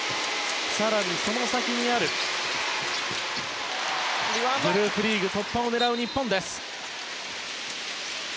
更に、その先にあるグループリーグ突破を狙う日本です。